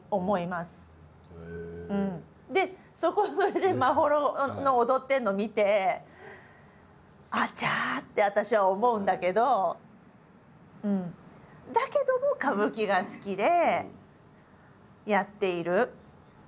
でそこで眞秀の踊ってるのを見てあちゃって私は思うんだけどだけども歌舞伎が好きでやっている。